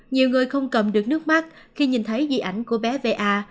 nhiều người không cầm được nước mắt khi nhìn thấy di ảnh của bé va